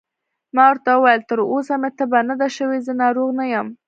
ما ورته وویل: تر اوسه مې تبه نه ده شوې، زه ناروغ نه یم.